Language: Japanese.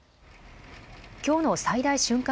きょうの最大瞬間